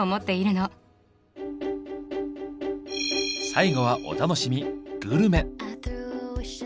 最後はお楽しみ「グルメ」。